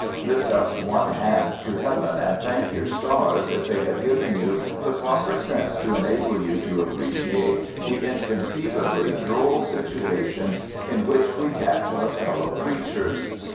Lift up one hand to heaven and thank your stars if they have given you the proper sense to enable you to appreciate the inconceivably droll situations in which we catch our fellow creatures.